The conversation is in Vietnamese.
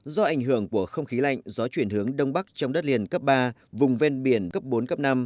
do ảnh hưởng của không khí lạnh gió chuyển hướng đông bắc trong đất liền cấp ba vùng ven biển cấp bốn cấp năm